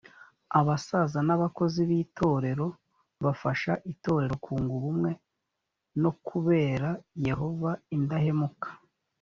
abasaza n’abakozi b’itorero bafasha itorero kunga ubumwe no kubera yehova indahemuka